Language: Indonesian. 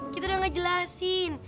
kita udah ngejelasin